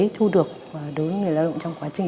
thu được đối với người lao động trong quá trình